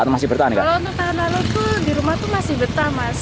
kalau untuk tahun lalu itu di rumah itu masih betah mas